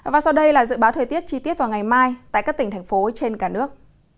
và sau đây là dự báo thời tiết chi tiết vào ngày mai tại các tỉnh thành phố trên cả nước